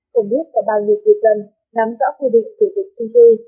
không biết có bao nhiêu cư dân nắm rõ quy định sử dụng trung cư